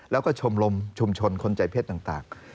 แล้วก็ชมรมชุมชนคนใจเพศต่าง